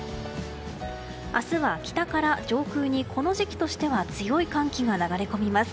明日は北から上空にこの時期としては強い寒気が流れ込みます。